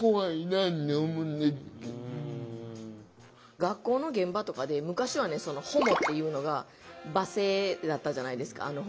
学校の現場とかで昔は「ホモ」って言うのが罵声だったじゃないですか。